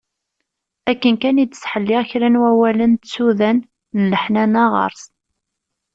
Akken kan i d-ttḥelliɣ kra n wawalen d tsudan n leḥnana ɣer-s.